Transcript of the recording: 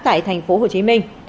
tại thành phố hồ chí minh